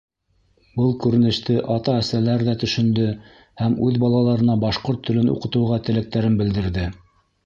Был күренеште ата-әсәләр ҙә төшөндө һәм үҙ балаларына башҡорт телен уҡытыуға теләктәрен белдерҙе.